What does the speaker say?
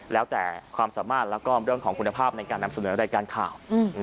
แล้วแต่ความสามารถแล้วก็เรื่องของคุณภาพในการนำเสนอรายการข่าว